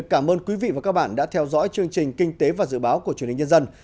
cảm ơn quý vị và các bạn đã theo dõi chương trình kinh tế và dự báo của truyền hình nhân dân